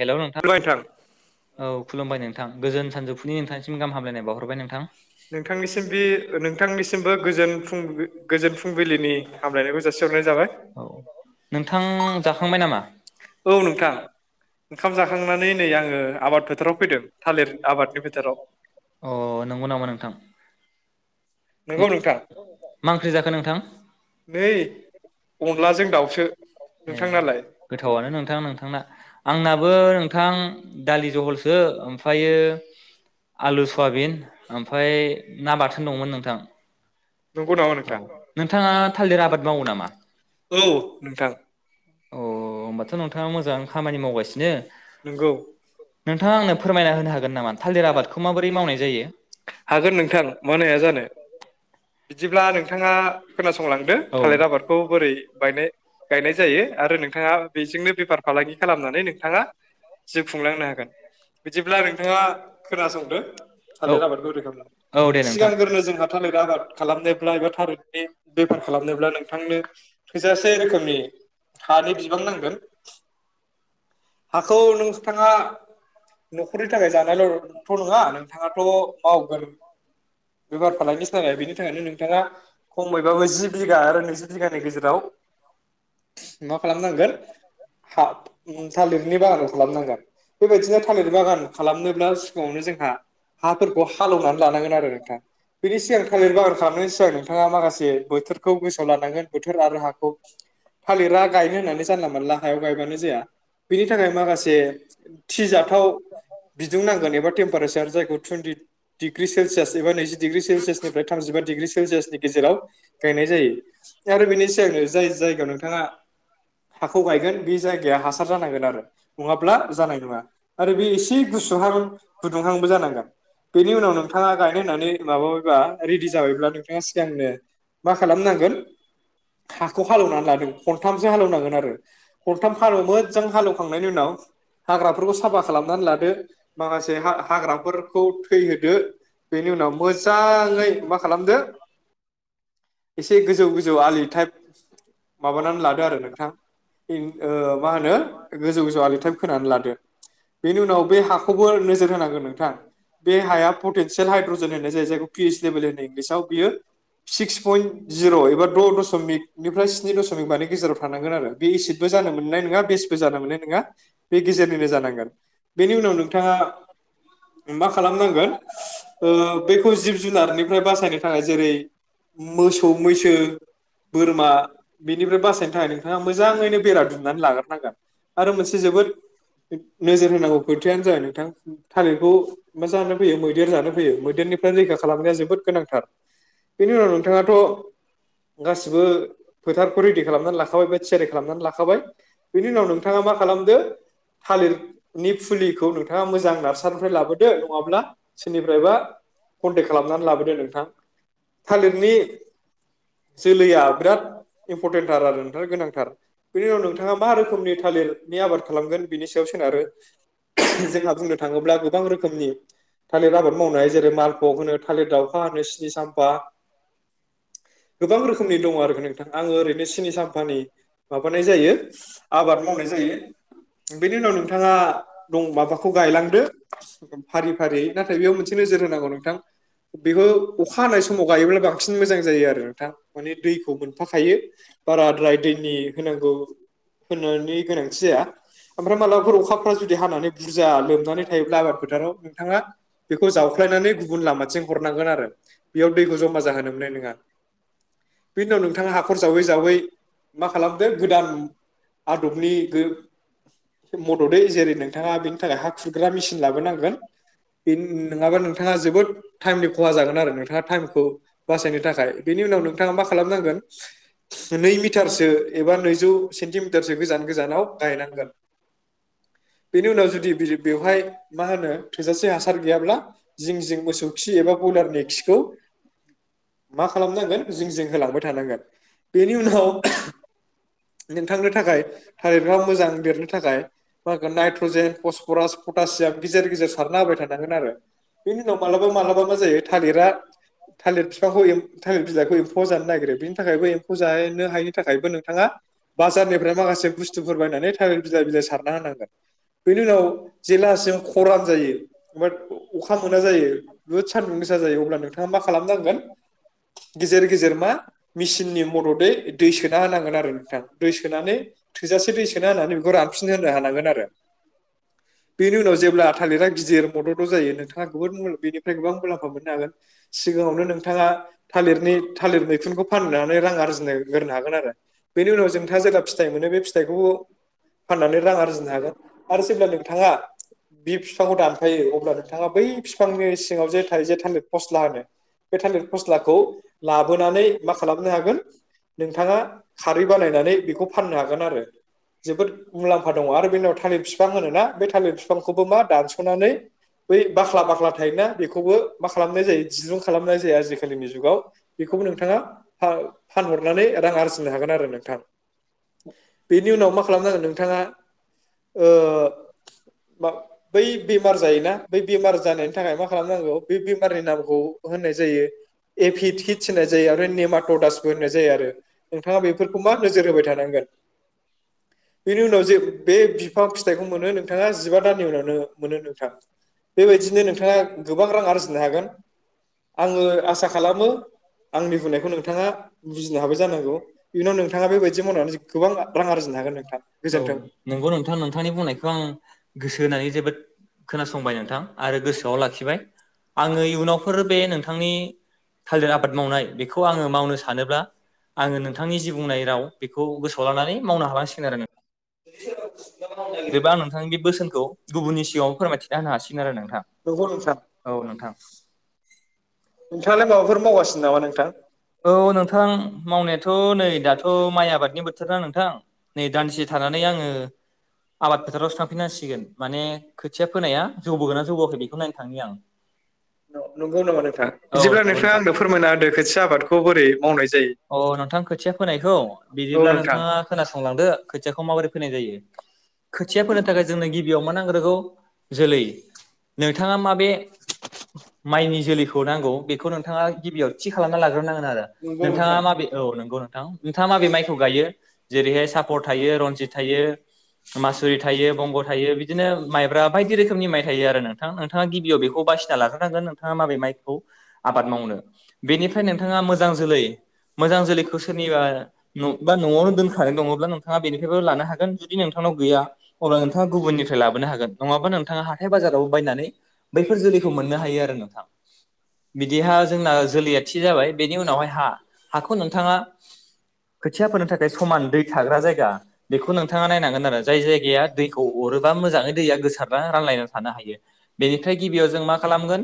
हेल' नोंथां औ खुलुमबाय नोंथां गोजोन सानजौफुनि नोंथांनिसिम गाहाम हामलायनाय बावहर हरबाय नोंथां नोंथांनिसिम बे नोंथांनिसिमबो गोजोन फुं गोजोन फुंबिलिनि हामलायनायखौ जासिहरनाय जाबाय औ नोंथां जाखांबाय नामा औ नोंथां ओंखाम [unintelligible] अ नं जाखांनानै नै आङो आबाद फोथाराव फैदों थालिर आबादनि फोथाराव नंगौ नामा नोंथां नंगौ नोंथां [unintelligible] मा ओंख्रि जाखो नोंथां नै अनला जों अनलाजों दाउजों दाउसो नोंथानालायए नोंथांनालाय गोथावनो नोंथां नोंथांना आंनाबो नोंथां दालि जहलसो ओमफ्रायो आलु सयाबिन ओमफ्राय ना बाथोन दंमोन नोंथां नंगौ नामा औ नोंथां नोंथाङा थालिर आबाद मावो नामा औ औ मा नोंथाङा मोजां खामानि मावो सिनो नंगौ नोंथाङा आंनो फोरमायना होनो हागोन नामा थालिर आबादखौ माबोरै मावनाय जायो हागोन नोंथां मानो हाया जानो बिदिब्ला नोंथाङा खोनासंलांदो थालिर औ आबादखौ बोरै गायनाय जायो आरो नोंथाङा बेजोंनो बेफार फालांगि खालामनानै नों नोंथाङा जिउ खुंलांनो हागोन बिदिब्ला नोंथाङा खोनासंदो औ थालिर आबादखौ बोरै खालामो औ दे नोंथां। सिगांग्रो जोंहा थालिर आबाद खालामनोब्ला एबा थालिरनि बेफार खालामनोब्ला नोंथांनो थोजासे रोखोमनि हानि बिबां नांगोन हाखौ नोंथाङा न'खरनि थाखाय जानायल'थ' नङा नोंथाङाथ' मावगोन बेफार फालांगिसोनालाय ओंखायनो थाखायनो नोंथाङा खमैबाबो जि बिघा आरो नैजि बिघानि गेजेराव मा खालामनांगोन आ थालिरनि बागानखौ खालामनांगोन बेबायदिनो थालिरि बागान खालामनोब्ला सिगाङावनो जोंहा हाफोरखौ हाल एवनानै लानांगोन आरो नोंथां बेनि सिगां थालिर बागान खालामनायनि सिगां नोंथाङा माखासे बोथोरखौ गोसोआव लानांगोन बोथोर आरो हाखौ थालिरा गायनो होननानै जानला मोनला हायाव गायबानो जाया बिनि थाखाय माखासे थिजाथाव बिदुं नांगोन एबा टेम्पारेचार जायखौ टुइनटि डिग्रि सेलसियास एबा नैजि डिग्रि सेलसियास फ्राय थामजिबा डिग्रि सेलसियासनि गेजेराव गायनाय जायो आरो बेनि सायावनो जाय जायगायाव नोंथाङा हाखौ गायगोन बे जायगाया हासार जा नांगोन आरो नङाब्ला जानाय नङा आरो बे एसे गुसुहां गुदुंहांबो जानांगोन बेनि उनाव नोंथाङा गायनो होननानै माबाबायबा रेडि जाबायब्ला नोंथाङा सिगांनो मा खालामनांगोन हाखौ हालौनानै लादों खनथामसो हालौनांगोन आरो खनथाम हालौ मोजां थांनायनि उनाव हाग्राफोरखौ साफा खालामनानै लादो माखासे हा हाग्राफोरखौ थैहोदो बिनि उनाव मोजाङै सै मा खालामदो एसे गोजौ गोजौ आलिटाइप माबानानै लादो आरो नोंथां इं मा होनो गोजौ गोजौ आलिटाइप खोनानै लादो बेनि उनाव बे हाखौबो नोजोर होनांगोन नोंथां बे हाया पटेनसियेल हाइद्रजेन होननाय जायो जायखौ पिस जेबो [unintelligible] बियो सिक्स पयेन्ट जि र एबा द दसमिक निफ्राय स्नि दसमिक माने गेजेराव थानांगोन आरो बे एसिडबो जानो मोन्नाय नङा बेस बो जानो मोन्नाय बे गेजेरनिनो जानांगोन बेनि उनाव नोंथाङा मा खालामनांगोन ओ बैखौ जिब जुनारनिफ्राय बासायनो थाखाय जेरै मोसौ मैस बोरमा बेनिफ्राय बासायनो थाखाय नोंथाङा मोजाङैनो बेरा दुमनानै लाग्रोनांगोन आरो मोनसे जोबोद नोजोर होनांगौ खोथायानो जाबाय नोंथां थालिरखौ मा जानो फैयो मैदेर जानो फैयो मैदेरनिफ्राय रैखा खालामनाया जोबोद गोनांथार बिनि उनाव नोंथाङाथ' गासिबो फोथारखौ रेडि खालामनानै लाखाबाय बा थियारि खालामनानै लाखाबाय बिनि उनाव नोंथाङा मा खालामदो थालिरनि फुलिखौ नोंथाङा मोजां नार्सारिनिफ्राय लाबोदो नङाब्ला सोरनिफ्रायबा कन्टेक्ट खालामनानै लाबोदो नोंथां थालिरनि जोलैया बिराद इम्परटेन्टथार आरो नोंथाङा गोनांथार बेनि उनाव नोंथाङा मा रोखोमनि थालिरनि आबाद खालामगोन बिनि सायाव सोनारो जोंहा बुंनो थाङोब्ला गोबां रोखोमनि थालिर आबाद मावनो हायो जेरै माल थालिर दाउखा होनो स्नि साम्फा गोबां रोखोमनि दङ आरोखि नोंथां आङो ओरैनो सिनि साम्फानि माबानाय जायो आबाद मावनाय जायो बिनि उनाव नोंथाङा दं माबाखौ गायलांदो फारि फारि नाथाय बेयाव मोनसे नोजोर होनांगौ नों थां बेखौ अखा हानाय समाव गायोब्ला बांसिन मोजां जायो आरो नोंथां माने दैखौ मोनफा खायो बाराद्राय दैनि होनांगौ होन्नायनि गोनांथि जाया ओमफ्राय मालाबाफोर अखाफ्रा जुदि हानानै बुरजा लोमनानै थायोब्ला आबाद फोथाराव नोंथाङा बेखौ जावख्लायनानै गु लामाथिं हरनांगोन आरो बेयाव दैखौ जमा जाहोनो मोननाय नङा बेनि उनाव नोंथाङा हाखर जावै जावै मा खालामदो गोदान आदबनि गो मददै जेरै नोंथाङा बेनि थाखाय हा खुरग्रा मेसिन लाबोनांगोन बे नङाबा नोंथाङा जोबोद टाइमनि खहा जागोन आरो नोंथाङा टाइमखौ बासायनो थाखाय बिनि उनाव नोंथाङा मा खालामनांगोन सिनै मिटारसो एबा नैजौ सेनटि मिटारसो गोजान गोजानाव गायनांगोन बेनि उनाव जुदि बि बेवहाय मा होन थोजासे हासार गैयाब्ला जिं जिं मोसौ खि एबा बयलारनि खिखौ मा खालामनांगोन जिं जिं होलांबाय थानांगोन बिनि उनाव नोंथांनो थाखाय थालिराव मोजां देरनो थाखाय मागोन नाइट्रजेन फसफरास पटासियाम गेजेर गेजेर सारना होबाय थानांगोन आरो बिनि उनाव मालाबा मालाबा मा जायो थालिरा थालिर फिफांखौ एम थालिर बिदाइखौ एम्फौया जानो नागिरो बिनि थाखायबो एम्फौ जानो हायैनि थाखायबो नोंथाङा बाजारनिफ्राय माखासे बुस्थुफोर बायनानै थालिर बिलाइ बिलाइ सारना होनांगोन बेनि उनाव जेब्लासिम खरान जायो बा अखा मोना जायो बुहुद सानदुं गोसा जायो अब्ला नोंथाङा मा खालामनांगोन गेजेर गेजेर मा मेसिननि मददै दै सोना होनांगोन आरो नोंथां दै सोनानै थोजासे दै सोना होनानै बेखौ रानफिन होनो हानांगोन आरो बेनि उनाव जेब्ला थालिरा गिदिर मदद' जायो नोंथाङा गुबुन गुबुन बेनिफ्राय गोबां मुलामफा मोननो हागोन सिगाङावनो नोंथां नोंथाङा थालिरनि थालिर मैखुनखौ फाननानै रां आरजिनो ग्रोनो हागोन आरो बेनि उनाव नोंथाङा जेब्ला फिथाइ मोनो बे फिथाइखौबो फाननानै रां आरजिनो हागोन आरो जेब्ला नोंथाङा बि बिफांखौ दानफायो अब्ला नोंथाङा बै बिफांनि सिङाव जे थायो जे थालिद फस्ला होनो फस्लाखौ लाबोनानै मा खालामनो हागोन नोंथाङा खारै बानायनानै बेखौ फाननो हागोन आरो जोबोद मुलामफा दङ आरो बे उनाव थालिर बिफां होनोना बे थालिर बिफांखौबो मा दानस'नानै बै बाख्ला बाख्ला बेखौबो मा खालामनाय जायो दिरुं खालाम जे आजिखालिनि जोगाव बेखौबो नोंथांङा फानहरनानै रां आरजिनो हागोन आरो नों थां बेनि उनाव मा खालामनांगोन नोंथाङा ओ बै बेमार जायोना बै बेमार जानाय थाखाय मा खालामनांगौ बे बेमारनि नामखौ होननाय जायो एफिटफ्सि जायो आरो नेमटदासबो होननाय जायो आरो नोंथाङा बेफोरखौ मा नोजोर होबाय थानांगोन बेनि उनाव जे औ बे बिफां फिथाइखौ नंगौ मोनो नोंथाङा जिबा दाननि उनावनो मोनो नोंथां बेबायदिनो नोंथां नोंथाङा गोबां रां आरजिनो हागोन आङो आसा खालामो आंनि बुंनायखौ नोंथाङा बुजिनो हाबाय जानांगौ इयुनाव नोंथाङा बेबायदि मावनानै गोबां रां आरजिनो हागोन नोंथाङा गोजोन्थों खोनासंबाय नोंथां आरो गोसोआव लाखिबाय आङो इयुनावफोर बे नोंथां नि थालिर आबाद मावनाय बेखौ आङो मावनो सानोब्ला आङो नोंथांनि जि बुंनाय राव बेखौ गोसोआव लानानै मावनो हालांसिगोन आरो [unintelligible] जेबा आं नोंथांनि बे बोसोनखौ गुबुननि सिगाङाव फोरमायथिना होनो हासिगोन आरो नों नोंथां नंगौ नोंथां औ नोंथां नोंथाङालाय माबाफोर मावगासिनो नामा नोंथां औ नोंथां मावनायाथ' नै दाथ' माइ आबादनि बोथोर ना नोंथां नै दानसे थानानै आङो आबाद फोथारावसो थांफिनांसिगोन माने खोथिया फोनाया जौबोगोना जौबोआखै बेखौ नायनो थांनि आं नंगौ नामा नोंथां बिदिब्ला नंगौ नोंथाङा नोंथां आंनो फोरमायना होदो खोथिया आबादखौ बोरै मावनाय जायो अ नोंथां खोथिया फोनायखौ औ बिदिब्ला नोंथां नोंथाङा खोनासंलांदो खोथियाखौ माबोरै फोनाय जायो खोथिया फोनो थाखाय जोंनो गिबियाव मा नांग्रोगौ जोलै नोंथाङा माबे माइनि जोलैखौ नांगौ बेखौ नोंथाङा गिबियाव थि खालामना लाग्रोनोनांगोन आरो नोंथाङा माबे औ नंगौ नोंथां नोंथाङा माबे माइखौ गायो जेरैहाय सापर थायो रनजित थायो मासुरि थायो बंग' थायो बिदि बिदिनो माइब्रा बायदि रोखोमनि माइ थायो आरो नोंथां नाथा नोंथाङा गिबियाव बेखौ बासिना लागनांगोन नोंथाङा माबे माइखौ आबाद मावनो बेनिफ्रायनो नों नोंथाङा मोजां जोलै मोजां जोलैखौ सोरनिबा बा न'आवनो दोनखानाय दङब्ला नोंथाङा बेनिफ्रायबो लानो हागोन जुदि नोंथ नोंथांनाव गैया अब्ला नोंथाङा गुबुननिफ्राय लाबोनो हागोन नङाबा नोंथाङा हाथाय बाजाराव बायनानै बैफोर जोलैखौ मोननो हायो आरो नोंथां बिदिहा जोंना जोलैया थि जाबाय बेनि उनावहाय हा हाखौ नोंथाङा खोथिया फोनो थाखाय समान दै थाग्रा जायगा बेखौ नोंथाङा नायनांगोन जाय जायगाया दैखौ अरोबा मोजाङै दैया गो [unintelligible] रायलायनानै थानो हायो बेनिफ्राय गिबियाव जों मा खालामगोन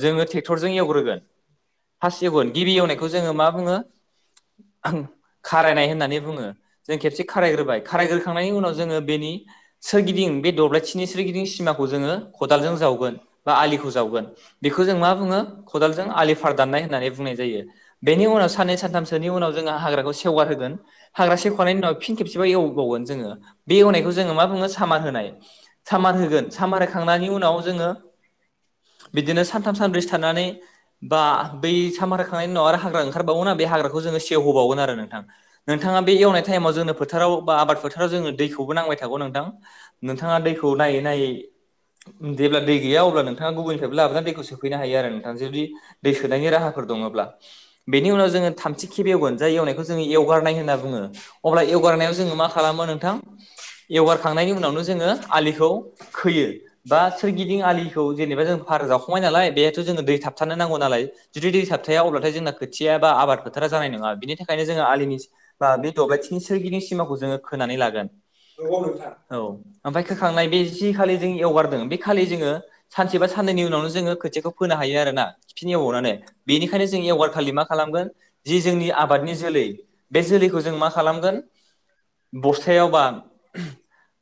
जोङो ओ ट्रेक्टरजों एवग्रोगोन फसि एवगोन गिबि एवनायखौ जोङो मा बुङो खारायनाय होननानै बुङो जों खेबसे खारायग्रोबाय खारायग्रोखांनायनि उनाव जोङो बेनि सोरगिदिं बे दब्लायथिं दिननि सोरगिदिं सिमाखौ जोङो खदालजों जाव बा आलिखौ जावगोन बेखौ जों मा बुङो खदालजों आलि फार दाननाय होननानै बुंनाय जायो बेनि उनाव साननै सानथामसोनि उनाव जोंङो हाग्राखौ सेवगार होगोन हाग्रा सेवखनायनि उनाव फिन खेबसेबाव एव एवबावगोन जोङो बे एवनायखौ मा बुङो सामार होनाय सामार होगोन सामार होखांनायनि उनाव जोङो बिदिनो सानथाम सानब्रैसो थानानै बा बै सामारखांनायनि उनाव आरो हाग्रा ओंखारबावोना बे हाग्राखौ जोङो सेवहोबावगोन आरो नोंथां नोंथाङा बे एवनाय टाइमाव जोंनो फोथाराव बा आबाद फोथाराव जोंनो दैखौबो नांबाय़ थागोन नोंथां नोंथाङा दैखौ नायै नायै जेब्ला दै गैया अब्ला गुबै तेबखौ लाबोनानै सफैनो हायो आरो नोंथां जुदि दै सोनायनि राहाफोर दङब्ला बेनि उनाव जोङो थामथि खेब एवगोन जायवनायखौ जों एवगारनाय होनना बुङो अब्ला एवगारनायाव जोंङो मा खालामो नोंथां एवगार खांनायनि उनावनो‌ जोंङो आलिखौ बेहाखोयो बा सोरगिदिं आलिखौ जेनेबा जों फार जावखांबाय नालाय बेहायथ' दै थाबथानो नांगौ नालाय जुदि दै थाबथाया अब्लाथाय जोंना खोथिया बा आबाद फोथारा जानाय नङा बिनि थाखायनो जों आलिनि बा दब्लाइथिनि सोरगिदिं सोरगिदिं सिमाखौ जों खोनानै लागोन औ ओमफ्राय खोखांनाय बे जि खालि जों एवगारदों बे खालि जोङो सानसे बा साननैनि उनावनो जोङो खोथिखौ फोनो हायो आरोना खिफिन एवावनानै बेनिखायनो जों एवगार खालि मा खालामगोन जि जोंनि आबाद बादनि जोलै बे जोलैखौ जों मा खालामगोन बस्थायावबा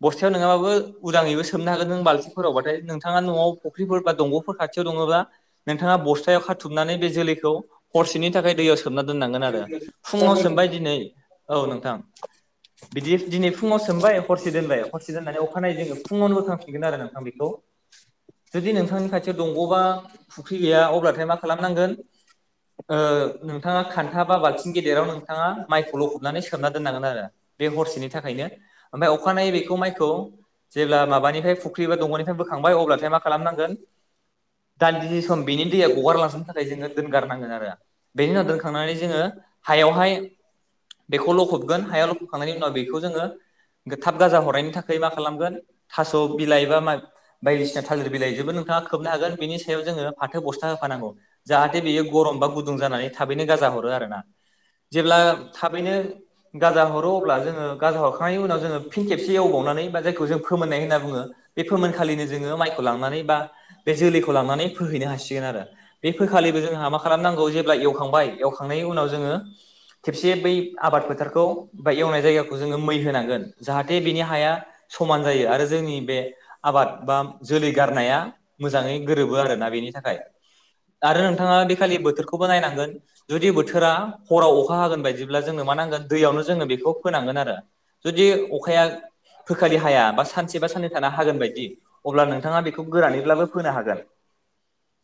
बस्थायाव नङाबाबो उदांङैबो स सोबनो हागोन नों बालथिफोरावाथाय नों नोंथाङा न'आव फुख्रिफोर बा दंग'फोर खाथियाव दङोबा नोंथाङा बस्थायाव खाथुमनानै बे जोलैखौ हरसेनि थाखाय दैयाव सोमना दोननांगोन आरो फुङाव सोमबाय दिनै औ नों थां बिदि दिनै फुङाव सोमबाय हरसे दोनबाय हरसे दोननानै अखानायै जोङो फुङावनो बोखांफिनगोन आरो नोंथां बेखौ जुदि नोंथांनि खाथियाव दंग'बा फुख्रि गैया अब्लाथाय मा खालामनांगोन ओ नोंथाङा खान्था बा बाल्थिं गेदेराव नोंथाङा माइखौ लखबनानै सोमना दोननांगोन आरो बे हरसेनि थाखायनो ओमफाय अखानायै बेखौ माइखौ जेब्ला माबानिफाय फुख्रि बा दंग'निफ्राय बोखांबाय अब्लाथाय मा खालामनांगोन दान्दिनि सम बेनि दैया गगारलाांसननो थाखाय जोङो दोनगारनांगोन आरो बेनि उनाव दोनखांनानै जोङो हायावहाय बेखौ लखबगोन हायाव लब खांनायनि उनाव बेखौ जोङो थाब गाजा हरनायनि थाखाय मा खालामगोन थास' बिलाइ बा मा बायदिसिना थाजिर बिलाइ जबो नोंथाङा खोबनो हागोन बेनि सायाव जोङो फाथो बस्था होफानांगौ जाहाथे बेयो गरम बा गुदुं जानानै थाबैनो गाजा हरो आरोना जेब्ला थाबैनो गाजा हर रो अब्ला जोङो गाजा हरखांनायनि उनाव जोङो फिन खेबसे एवबावनानै बा जायखौ जों फोमोननाय होनना बुङो बे फोमोनखालिनो जोङो माइखौ लांनानै बा बे जोलैखौ लांनानै फोहैनो हासिगोन आरो बे फोखालिबो जोंहा मा खालामनांगौ जेब्ला एवखांबाय एवखांनायनि उनाव जोङो खेबसे बै आबाद फोथारखौ बा एवनाय जायगाखौ जोङो मै होनांगोन जाहाथे बिनि हाया समान जायो आरो जोंनि बे आबाद बा जोलै गारनाया मोजाङै गोरोबो आरोना बेनि थाखाय आरो नोंथाङा बेखालि बोथोरखौबो नायनांगोन जुदि बोथोरा हराव अखा हागोन बायदिब्ला जोंनो मा नांगोन दैयावनो जोङो बेखौ फोनांगोन आरो जुदि अखाया फोखालि हाया बा सानसे बा साननै थानो हागोन बायदि अब्ला नोंथाङा बेखौ गोरानैब्लाबो फोनो हागोन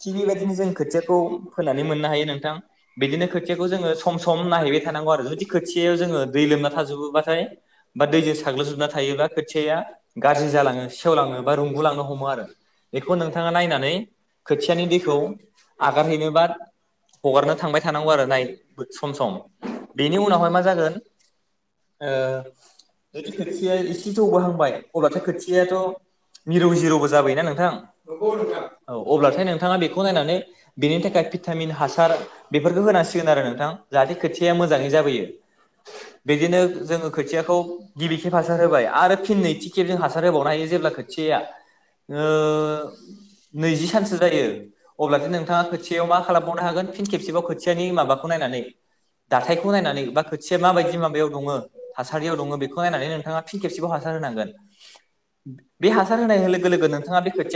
थिग बेबायदिनो जों खोथियाखौ फोनानै मोननो हायो नोंथां बिदिनो खोथियाखौ जोङो सम सम नायहैबाय थानांगौ आरो जुदि सेयाव जोङो दै लोमना थाजोबो बा बा दैजों साग्लोबजोबना थायोबा खोथियाया गाज्रि जालाङो सेेवलाङो बा रुंगुलांनो हमो आरो बेखौ नोंथाङा नायनानै खोथियानि दैखौ आगारहैनोबा हगारनो थांबाय थानांगौ आरो नाय सम सम बेनि उनावहाय मा जागोन ओ जुदि खोथिाया एसे जौ ब हांबाय अब्लाथाय खोथिायाथ' मिरौ जिरौबो जाबोयोना नोंथां औ अब्लाथाय नोंथाङा बेखौ नायनानै बेनि थाखाय भिटामिन हासार बेफोरखौ होनांसिगोन आरो नोंथां जाहाथे खोथिया मोजाङै जाबोयो बिदिनो जोङो खोथियाखौ गिबि खेब हासार होबाय आरो फिन नैथि खेब जों हासार होबावनो हायो जेब्ला खोथियाया ओ नैजि सानसो जायो अब्लाथाय नोंथाङा खोथियायाव मा खालामबावनो हागोन फिन खेबसेबाव खोथियानि माबाखौ नायनानै दाथायखौ नायनानै बा खोसे माबायदि माबायाव दङ हासारियाव दङ बेखौ नायनानै नोंथाङा फिन खेबसेबाव हासार होनांगोन बे हासार होनाय लोगो लोगो नोंथाङा बे खोथिया